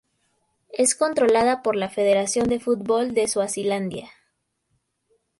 Es controlada por la Federación de Fútbol de Suazilandia.